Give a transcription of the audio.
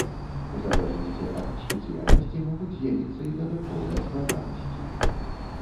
У залежнасці ад спецыяльнасці, могуць з'явіцца і дадатковыя складанасці.